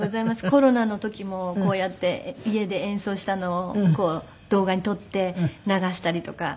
コロナの時もこうやって家で演奏したのを動画に撮って流したりとかしていましたね。